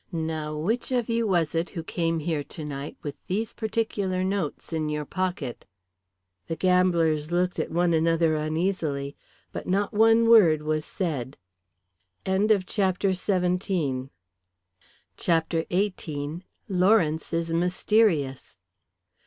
Now which of you was it who came here tonight with these particular notes in your pocket?" The gamblers looked at one another uneasily, but not one word was said. CHAPTER XVIII. LAWRENCE IS MYSTERIOUS.